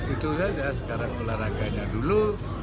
itu saja sekarang olahraganya dulu